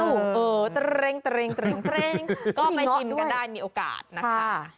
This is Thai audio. อ้าวตรงก็ไปชิมกันได้มีโอกาสนะคะ